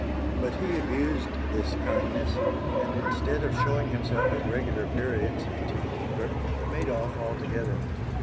But he abused his kindness, and instead of showing himself at regular periods to the keeper, made off altogether.